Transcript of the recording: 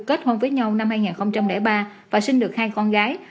kết hôn với nhau năm hai nghìn ba và sinh được hai con gái